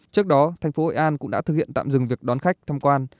trước đó tp hội an cũng đã thực hiện tạm dừng việc đón khách tham quan